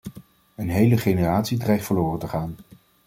Een hele generatie dreigt verloren te gaan.